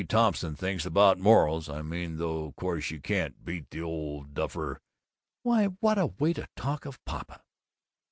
Thompson thinks about morals, I mean, though course you can't beat the old duffer " "Why, what a way to talk of Papa!"